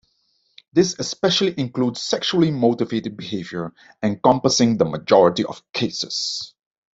This especially includes sexually motivated behaviour, encompassing the majority of cases.